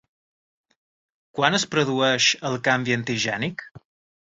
Quan es produeix el canvi antigènic?